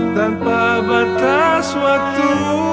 tanpa batas waktu